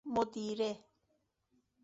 مدیره